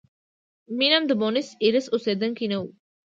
مینم د بونیس ایرس اوسېدونکی نه و.